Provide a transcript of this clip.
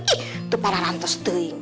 ih tuh para rantus tuing